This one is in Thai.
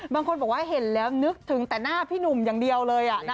บางคนบอกว่าเห็นแล้วนึกถึงแต่หน้าพี่หนุ่มอย่างเดียวเลย